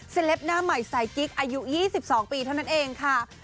เล็ปหน้าใหม่สายกิ๊กอายุ๒๒ปีเท่านั้นเองค่ะ